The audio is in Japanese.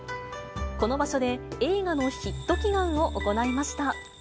この場所で映画のヒット祈願を行いました。